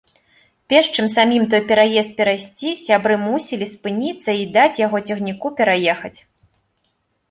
Перш чым самім той пераезд перайсці, сябры мусілі спыніцца й даць яго цягніку пераехаць.